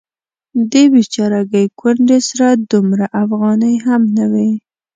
دې بیچارګۍ کونډې سره دومره افغانۍ هم نه وې.